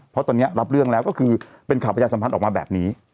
เพราะตอนนี้รับเรื่องแล้วก็คือเป็นข่าวประชาสัมพันธ์ออกมาแบบนี้